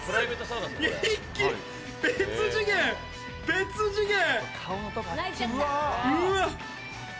別次元！